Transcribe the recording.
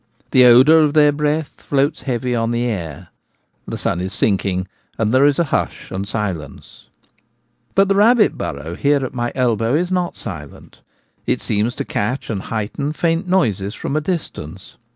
The odour of their breath floats heavy on Acoustics of a Rabbit Hole. iojr the air. The sun is sinking, and there is a hush and silence. But the rabbit burrow here at my elbow is not silent ; it seems to catch and heighten faint noises from a distance.